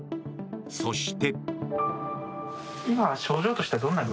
そして。